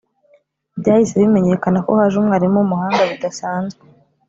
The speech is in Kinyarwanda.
byahise bimenyekana ko haje umwarimu w' umuhanga bidasanzwe.